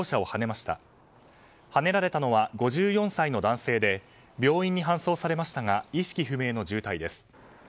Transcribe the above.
はねられたのは５４歳の男性で病院に搬送されましたが意識不明の重体です。